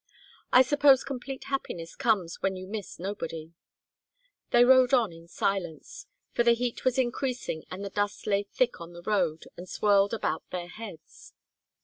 I suppose complete happiness comes when you miss nobody." They rode on in silence, for the heat was increasing and the dust lay thick on the road and swirled about their heads.